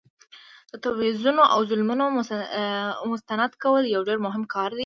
د تبعیضونو او ظلمونو مستند کول یو ډیر مهم کار دی.